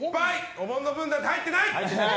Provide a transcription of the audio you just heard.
おぼんの分なんて入ってない！